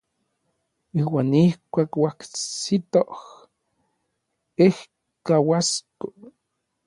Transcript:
Iuan ijkuak oajsitoj ejkauasko.